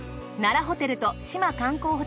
奈良ホテルと志摩観光